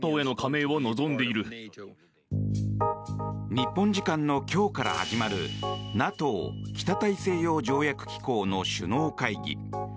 日本時間の今日から始まるＮＡＴＯ・北大西洋条約機構の首脳会議。